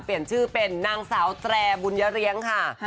เปลี่ยนชื่อเป็นนางสาวแตรบุญยเลี้ยงค่ะ